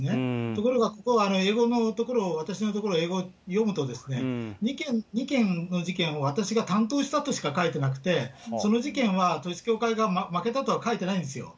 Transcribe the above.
ところがここは英語のところを、私のところ、英語読むと、２件の事件を私が担当したとしか書いてなくて、その事件は統一教会側が負けたとは書いてないんですよ。